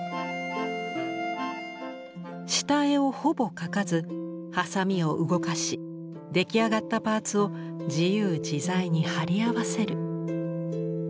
下絵をほぼ描かずハサミを動かし出来上がったパーツを自由自在に貼り合わせる。